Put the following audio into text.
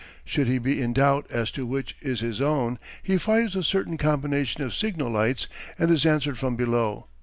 Should he be in doubt as to which is his own he fires a certain combination of signal lights and is answered from below.